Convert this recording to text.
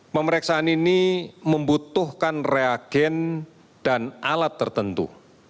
pemeriksaan ini membutuhkan reagen dan alat tertentu